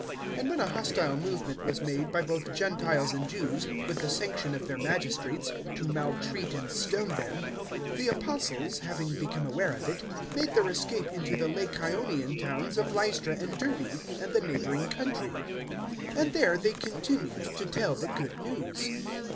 014:005 And when a hostile movement was made by both Gentiles and Jews, with the sanction of their magistrates, to maltreat and stone them, 014:006 the Apostles, having become aware of it, made their escape into the Lycaonian towns of Lystra and Derbe, and the neighbouring country. 014:007 And there they continued to tell the Good News.